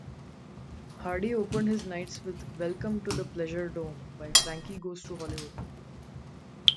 Hardy opened his nights with "Welcome to the Pleasuredome" by Frankie Goes to Hollywood.